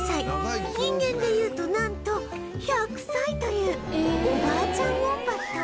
人間で言うとなんと１００歳というおばあちゃんウォンバット